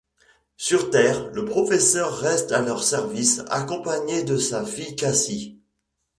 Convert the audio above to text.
Sur Terre, le professeur reste à leur service accompagné de sa fille Cassie.